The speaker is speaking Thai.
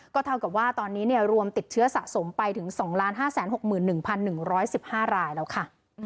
เท่ากับว่าตอนนี้รวมติดเชื้อสะสมไปถึง๒๕๖๑๑๑๕รายแล้วค่ะ